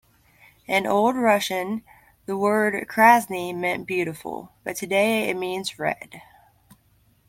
In old Russian the word "krasny" meant "beautiful", but today it means "red".